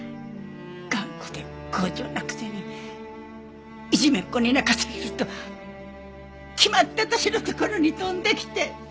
頑固で強情なくせにいじめっ子に泣かされると決まって私のところに飛んできて。